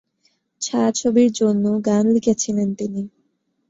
ছায়াছবির জন্যও গান লিখেছিলেন তিনি।